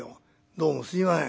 「どうもすいません」。